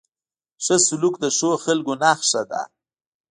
ښه سلوک د ښو خلکو نښه ده.